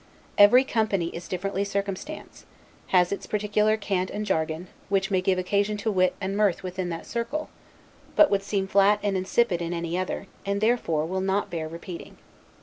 Every company is differently circumstanced, has its particular cant and jargon; which may give occasion to wit and mirth within that circle, but would seem flat and insipid in any other, and therefore will not bear repeating.